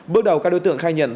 bước đầu các đối tượng khai nhận